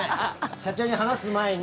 社長に話す前に。